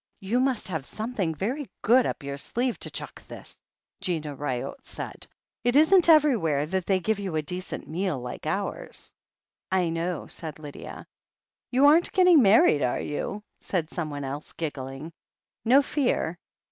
"You must have something very good up your sleeve to chuck this," said Gina Ryott. "It isn't every where that they give you a decent meal like ours." "I know," said Lydia. "You aren't getting married, are you?" said some one else, giggling. "No fear."